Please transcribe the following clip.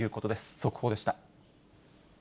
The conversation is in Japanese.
速報でした。